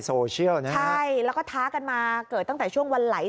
โซเชียลนะฮะใช่แล้วก็ท้ากันมาเกิดตั้งแต่ช่วงวันไหล